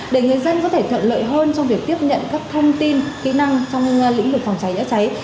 để người dân có thể thuận lợi hơn trong việc tiếp nhận các thông tin kỹ năng trong lĩnh vực phòng cháy chữa cháy